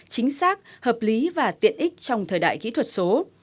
chính xác hợp lý và tiện ích trong thời đại kỹ thuật số